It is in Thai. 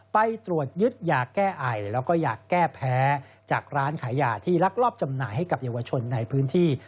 ไปตรวจยึดยาแก้ไอแล้วก็ยาแก้แพ้จากร้านขายยาที่ลักลอบจำหน่ายให้กับเยาวชนในพื้นที่